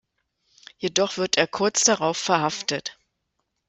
Jedoch wird er kurz darauf verhaftet.